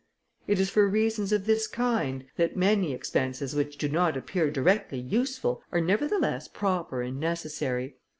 It is for reasons of this kind that many expenses which do not appear directly useful, are nevertheless proper and necessary.